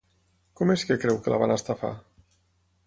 Com és que creu que la van estafar?